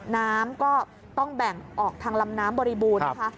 น้ำก็ต้องแบ่งออกทางลำน้ำบริบูรณ์นะคะ